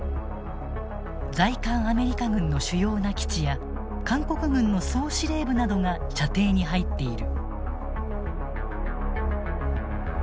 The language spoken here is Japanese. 在韓アメリカ軍の主要な基地や韓国軍の総司令部などが射程に入っている。